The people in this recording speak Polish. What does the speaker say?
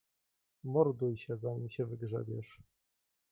"Morduj się, zanim się wygrzebiesz!"